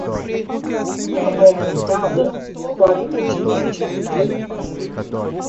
Lua nova deitada, quarenta dias encharcada.